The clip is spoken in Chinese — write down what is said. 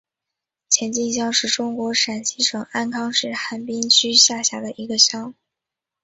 前进乡是中国陕西省安康市汉滨区下辖的一个乡。